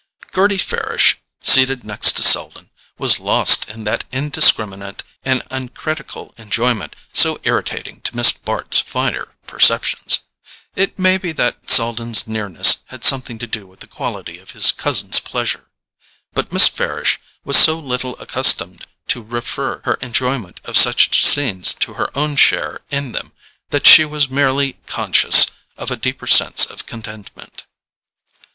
Gerty Farish, seated next to Selden, was lost in that indiscriminate and uncritical enjoyment so irritating to Miss Bart's finer perceptions. It may be that Selden's nearness had something to do with the quality of his cousin's pleasure; but Miss Farish was so little accustomed to refer her enjoyment of such scenes to her own share in them, that she was merely conscious of a deeper sense of contentment.